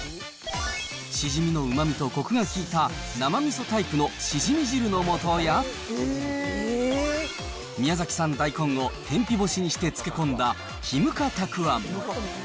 しじみのうまみとコクが効いた生みそタイプのしじみ汁のもとや、宮崎産大根を天日干しにして漬け込んだ日向たくあん。